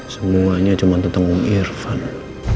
semuanya cuma tentang umir fanda